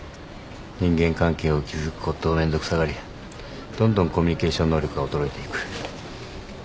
人間関係を築くことをめんどくさがりどんどんコミュニケーション能力が衰えていく。